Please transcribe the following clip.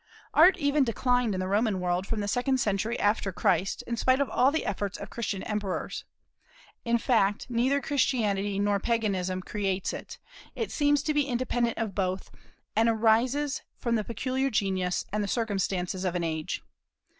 Art even declined in the Roman world from the second century after Christ, in spite of all the efforts of Christian emperors. In fact neither Christianity nor Paganism creates it; it seems to be independent of both, and arises from the peculiar genius and circumstances of an age.